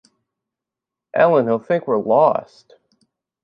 Ellen, he’ll think we’re lost.